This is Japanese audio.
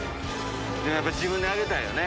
でもやっぱ自分で揚げたいよね。